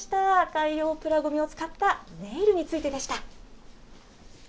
海洋プラごみを使ったネイルについてでした。